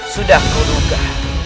sudah kau duga